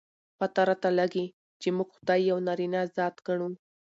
پته راته لګي، چې موږ خداى يو نارينه ذات ګڼو.